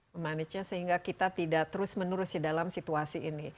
memanagenya sehingga kita tidak terus menurus di dalam situasi ini